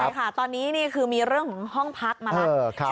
ใช่ค่ะตอนนี้คือมีเรื่องห้องพักมาละ